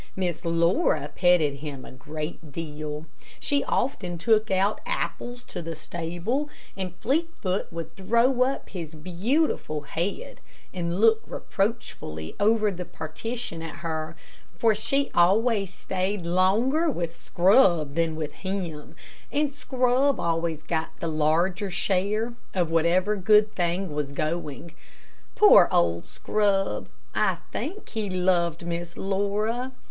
Miss Laura petted him a great deal. She often took out apples to the stable, and Fleetfoot would throw up his beautiful head and look reproachfully over the partition at her, for she always stayed longer with Scrub than with him, and Scrub always got the larger share of whatever good thing was going. Poor old Scrub! I think he loved Miss Laura.